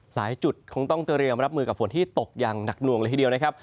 หลายจุดคงต้องเตรียมรับมือกับฝนที่ตกอย่างหนักหน่วงเลยทีเดียวนะครับ